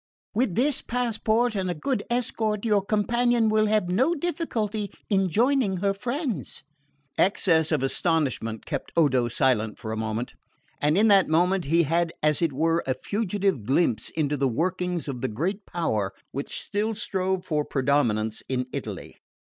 With this passport and a good escort your companion will have no difficulty in joining her friends." Excess of astonishment kept Odo silent for a moment; and in that moment he had as it were a fugitive glimpse into the workings of the great power which still strove for predominance in Italy.